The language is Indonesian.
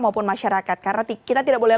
maupun masyarakat karena kita tidak boleh